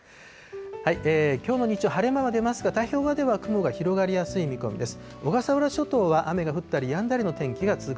きょうの日中、晴れ間は出ますが、太平洋側では雲が広がりやすい見込みです。